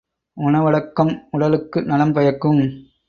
உணவடக்கம் உடலுக்கு நலம் பயக்கும்.